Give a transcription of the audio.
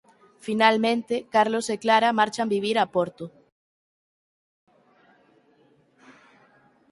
Finalmente Carlos e Clara marchan vivir a Porto.